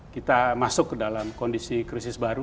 kita masuk ke dalam kondisi krisis baru